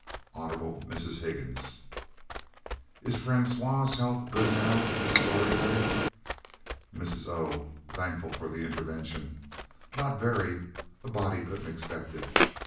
Hon. Mrs. Higgins "Is Francois' health good now, Mrs. Oreille?" Mrs. O. (Thankful for the intervention) "Not very. A body couldn't expect it.